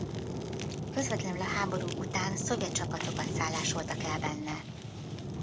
Közvetlenül a háború után szovjet csapatokat szállásoltak el benne.